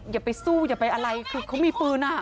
อย่าไปสู้อย่าไปอะไรคือเขามีปืนอ่ะ